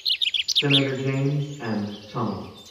Senator James M. Tunnell.